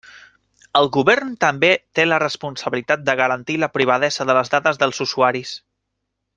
El govern també té la responsabilitat de garantir la privadesa de les dades dels usuaris.